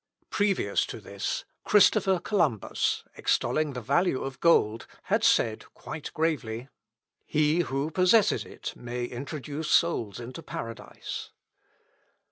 Previous to this, Christopher Columbus, extolling the value of gold, had said quite gravely, "He who possesses it may introduce souls into paradise."